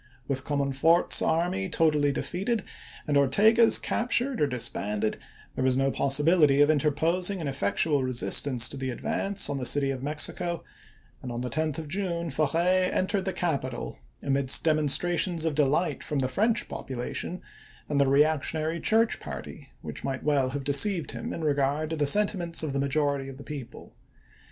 With Comon f ort's army totally defeated and Ortega's captured or disbanded, there was no possibility of interpos ing an effectual resistance to the advance on the city of Mexico, and on the 10th of June Forey en tered the capital amidst demonstrations of delight from the French population and the reactionary church party, which might well have deceived him in regard to the sentiments of the majority of the people.